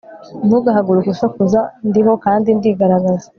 Ntugahaguruke usakuza Ndiho kandi ndigaragaza